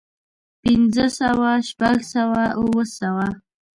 پنځۀ سوه شپږ سوه اووه سوه